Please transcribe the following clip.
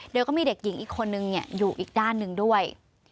แล้วก็มีเด็กหญิงอีกคนนึงเนี่ยอยู่อีกด้านนึงด้วย